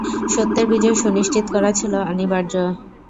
সত্যের বিজয় সুনিশ্চিত করা ছিল অনিবার্য।